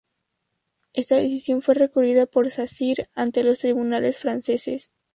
Esta decisión fue recurrida por Sacyr ante los tribunales franceses.